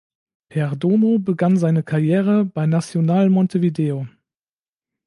Perdomo begann seine Karriere bei Nacional Montevideo.